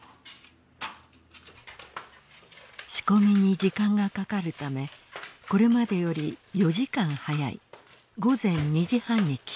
仕込みに時間がかかるためこれまでより４時間早い午前２時半に起床。